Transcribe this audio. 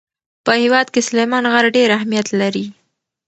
په هېواد کې سلیمان غر ډېر اهمیت لري.